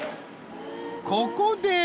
［ここで］